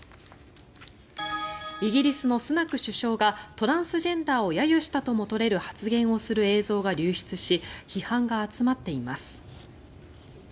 イギリスのスナク首相がトランスジェンダーを揶揄したとも取れる発言をする映像が流出し批判が集まっています。